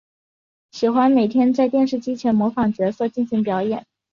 喜欢每天在电视机前模仿角色进行表演。